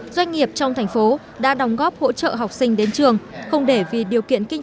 doanh nghiệp trong thành phố đã đóng góp hỗ trợ học sinh đến trường không để vì điều kiện kinh